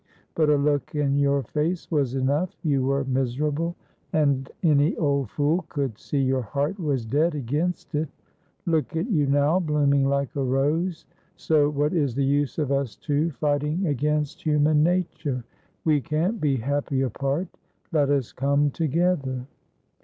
But a look in your face was enough; you were miserable, and any old fool could see your heart was dead against it; look at you now blooming like a rose, so what is the use of us two fighting against human nature? we can't be happy apart let us come together."